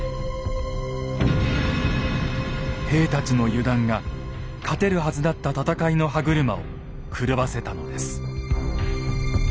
兵たちの油断が勝てるはずだった戦いの歯車を狂わせたのです。